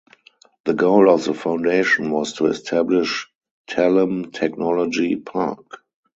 The goal of the foundation was to establish Tallinn Technology Park.